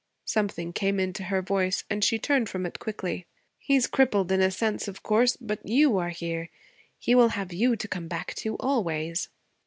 Something came into her voice and she turned from it quickly. 'He's crippled, in a sense, of course. But you are here. He will have you to come back to always.'